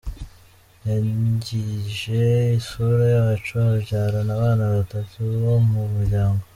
Yangije isura yacu abyarana abana n’abantu bo mu muryango .